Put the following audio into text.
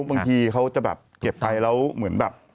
บางทีเขาจะแบบเก็บไปแล้วเหมือนแบบ